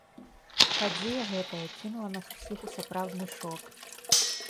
Падзея гэтая кінула нас усіх у сапраўдны шок.